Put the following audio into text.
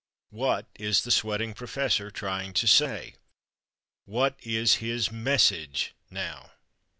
What is the sweating professor trying to say? What is his Message now?